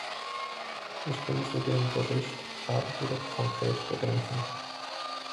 Ich bin für den Bericht, habe jedoch konkrete Bedenken.